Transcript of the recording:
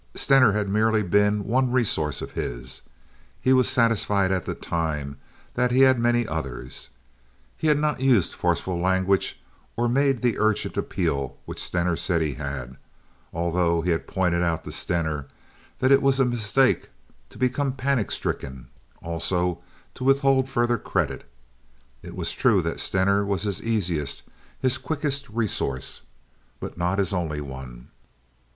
Stener had merely been one resource of his. He was satisfied at that time that he had many others. He had not used the forceful language or made the urgent appeal which Stener said he had, although he had pointed out to Stener that it was a mistake to become panic stricken, also to withhold further credit. It was true that Stener was his easiest, his quickest resource, but not his only one.